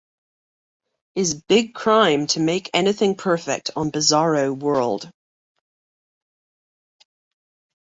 Is big crime to make anything perfect on Bizarro World!